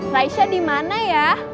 raisya dimana yaa